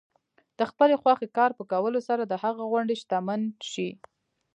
د خپلې خوښې کار په کولو سره د هغه غوندې شتمن شئ.